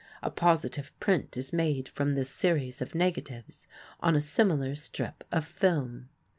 A positive print is made from this series of negatives on a similar strip of film.